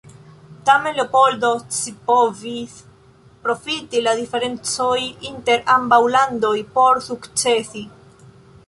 Tamen, Leopoldo scipovis profiti la diferencojn inter ambaŭ landoj por sukcesi.